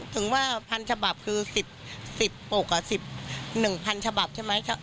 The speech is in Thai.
ถึงว่าพันฉบับคือสิบปกก็สิบหนึ่งพันฉบับใช่ไหม